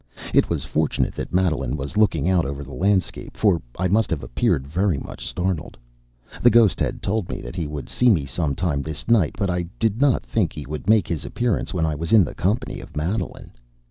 It was fortunate that Madeline was looking out over the landscape, for I must have appeared very much startled. The ghost had told me that he would see me some time this night, but I did not think he would make his appearance when I was in the company of Madeline.